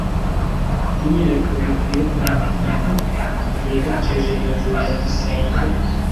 Kunyerera bivuye kumatiku yerekeje hejuru ya gisenge